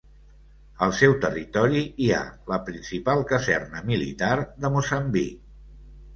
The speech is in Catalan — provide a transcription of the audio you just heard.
Al seu territori hi ha la principal caserna militar de Moçambic.